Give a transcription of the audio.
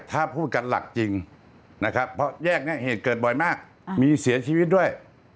ถ้าพูดกันหลักจริงนะครับเพราะแยกนี้เหตุเกิดบ่อยมากมีเสียชีวิตด้วย